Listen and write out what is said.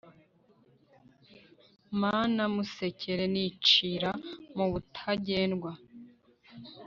ma na Musekera nicira mu Butagendwa